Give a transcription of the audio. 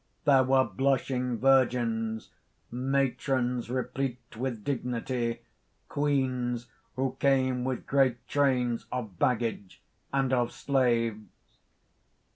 There were blushing virgins, matrons replete with dignity, queens who came with great trains of baggage and of slaves."